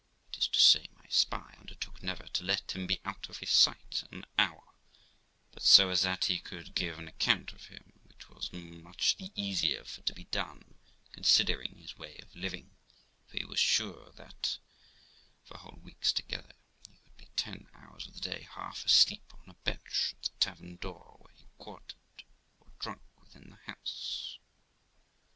That is to say, my spy undertook never to let him be out of his sight an hour, but so as that he could give an account of him, which was much the easier for to be done, considering his way of living ; for he was sure, that, for whole weeks together, he would be ten hours of the day half asleep on a bench at the tavern door where he quartered, or drunk within the house.